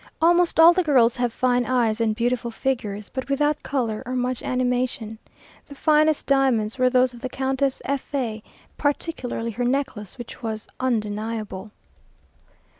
Almost all the girls have fine eyes and beautiful figures, but without colour, or much animation. The finest diamonds were those of the Countess F a, particularly her necklace, which was undeniable.